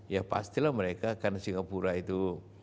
ya pastilah mereka karena singapura itu